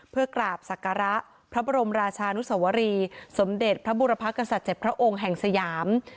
เพื่อกราบศักระพระบรมราชานุสวรีสมเด็จพระบุรพกษัตว์๗พระองค์แห่งสยาม